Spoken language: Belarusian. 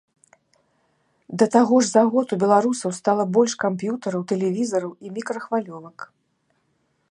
Да таго ж, за год у беларусаў стала больш камп'ютараў, тэлевізараў і мікрахвалёвак.